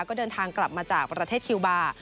ก็เดินทางกลับมาจากประเทศคิวบาร์